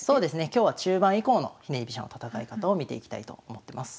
今日は中盤以降のひねり飛車の戦い方を見ていきたいと思ってます。